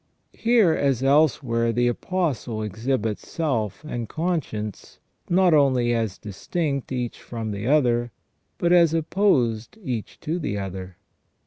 Here, as elsewhere, the Apostle ex hibits self and conscience not only as distinct each from the other, but as opposed each to the other.